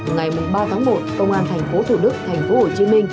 ngày ba tháng một tông an tp thủ đức tp hcm